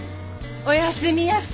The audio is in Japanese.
おやすみやす。